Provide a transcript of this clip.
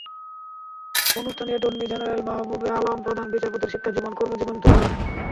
অনুষ্ঠানে attorney general Mahbubey Alam প্রধান বিচারপতির শিক্ষাজীবন, কর্মজীবন তুলে ধরেন।